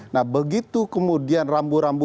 nah begitu kemudian rambu rambu